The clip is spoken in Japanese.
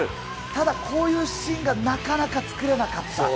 ただ、こういうシーンがなかなか作れなかった。